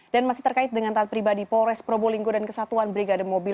dan masih terkait dengan taat pribadi polres probolinggo dan kesatuan brigade mobil